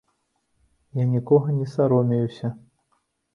Я нікога не саромеюся.